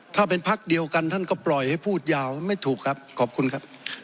ถ้าเป็นพักเดียวกันท่านก็ปล่อยให้พูดยาวไม่ถูกครับขอบคุณครับ